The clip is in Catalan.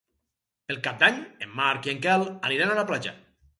Per Cap d'Any en Marc i en Quel aniran a la platja.